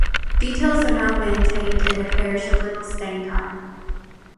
Details are now maintained in the parish of Little Stainton.